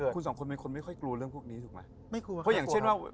คุณสองคนไม่ค่อยกลัวเรื่องพวกนี้ถูกไหม